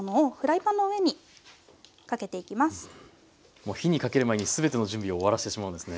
もう火にかける前に全ての準備を終わらしてしまうんですね。